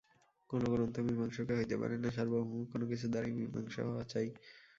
কোন গ্রন্থ মীমাংসক হইতে পারে না, সার্বভৌম কোন-কিছুর দ্বারাই মীমাংসা হওয়া চাই।